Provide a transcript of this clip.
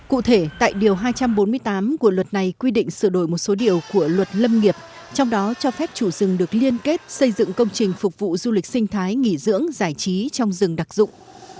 cụ thể tại điều hai trăm bốn mươi tám của luật này quy định sửa đổi một số điều của luật lâm nghiệp trong đó cho phép chủ rừng được liên kết xây dựng công trình phục vụ du lịch sinh thái nghỉ dưỡng giải trí trong rừng đặc dụng